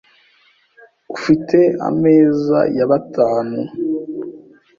Ufite ameza ya batanu?